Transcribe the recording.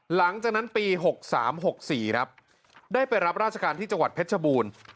หลังจากนั้นปี๖๓๖๔ครับได้ไปรับราชการที่จังหวัดเพชรชบูรณ์